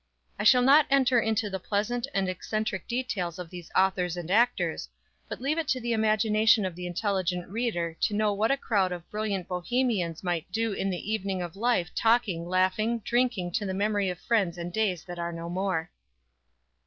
I shall not enter into the pleasant and eccentric details of these authors and actors, but leave it to the imagination of the intelligent reader to know what a crowd of brilliant bohemians might do in the evening of life talking, laughing and drinking to the memory of friends and days that are no more!